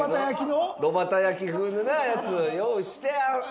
炉端焼き風のやつ用意してある。